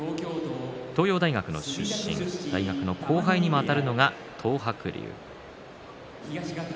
東洋大学の出身、大学の後輩にもあたるのが東白龍。